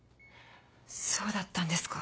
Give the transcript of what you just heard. そうだったんですか。